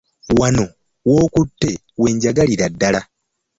Wano w'okutte we njagalira ddala.